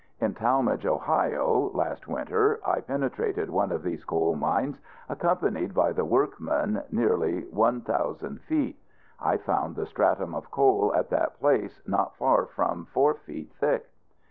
In Tallmadge, Ohio, last winter, I penetrated one of these coal mines, accompanied by the workmen, nearly one thousand feet. I found the stratum of coal at that place not far from four feet thick.